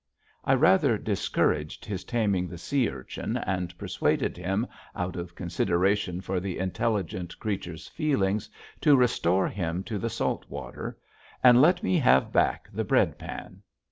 I rather discouraged his taming the sea urchin and persuaded him out of consideration for the intelligent creature's feelings to restore him to the salt water and let me have back the bread pan.